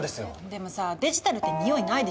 でもさあデジタルって匂いないでしょ。